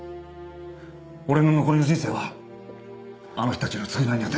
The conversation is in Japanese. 俺の残りの人生はあの人たちの償いに当てる。